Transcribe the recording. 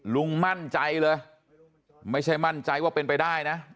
ลุงมั่นใจเลยไม่ใช่มั่นใจว่าเป็นไปได้นะ